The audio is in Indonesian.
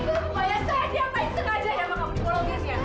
kebaya saya diapain sengaja ya sama kamu di pulau nusia